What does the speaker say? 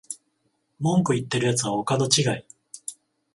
文句言ってるやつはお門違い